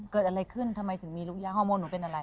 เกิดอะไรขึ้นทำไมถึงมีลูกยางฮอร์โมนหนูเป็นอะไร